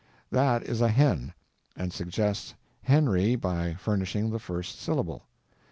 That is a hen, and suggests Henry by furnishing the first syllable.